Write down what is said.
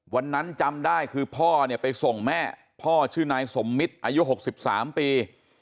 จำได้คือพ่อเนี่ยไปส่งแม่พ่อชื่อนายสมมิตรอายุ๖๓ปี